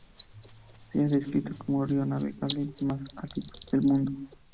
Se ha descrito como el río navegable de más altitud del mundo.